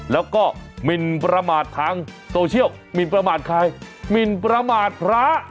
แล้วก็หมินประมาททางโซเชียลหมินประมาทใครหมินประมาทพระ